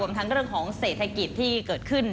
ทั้งเรื่องของเศรษฐกิจที่เกิดขึ้น